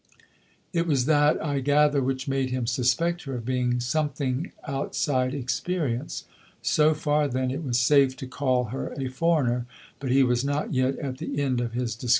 It was that, I gather, which made him suspect her of being something outside experience. So far, then, it was safe to call her a foreigner: but he was not yet at the end of his discoveries.